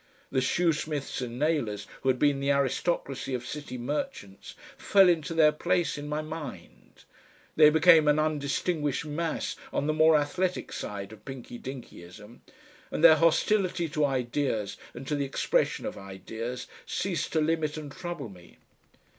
The Shoesmiths and Naylors who had been the aristocracy of City Merchants' fell into their place in my mind; they became an undistinguished mass on the more athletic side of Pinky Dinkyism, and their hostility to ideas and to the expression of ideas ceased to limit and trouble me.